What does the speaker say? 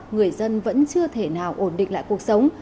người dân vẫn chưa thể nào ổn định lại cuộc sống